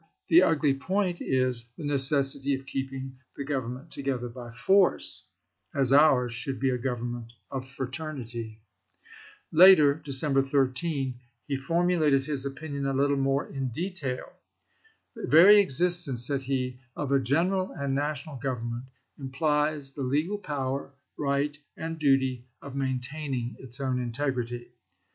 The ugly point is the necessity of keeping the Government together by force, as ours should be a government of fraternity." Later (December 13) he formulated his opinion a little more in de tail. " The very existence," said he, " of a general and national government implies the legal power, right, and duty of maintaining its own integrity.